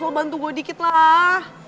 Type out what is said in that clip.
lo bantu gue dikit lah